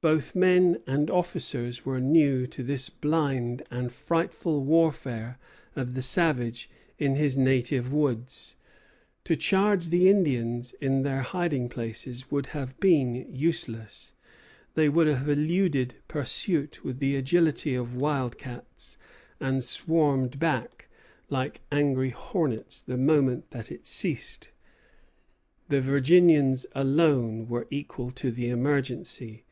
Both men and officers were new to this blind and frightful warfare of the savage in his native woods. To charge the Indians in their hiding places would have been useless. They would have eluded pursuit with the agility of wildcats, and swarmed back, like angry hornets, the moment that it ceased. The Virginians alone were equal to the emergency.